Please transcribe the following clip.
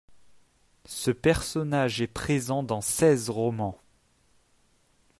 Ce personnage est présent dans seize romans.